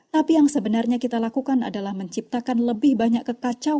tapi yang sebenarnya kita lakukan adalah menciptakan lebih banyak kekacauan bagi diri kita sendiri